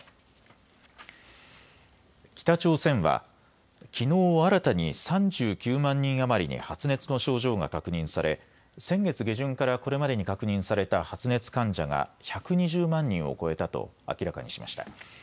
北朝鮮は、きのう新たに３９万人余りに発熱の症状が確認され、先月下旬からこれまでに確認された発熱患者が１２０万人を超えたと明らかにしました。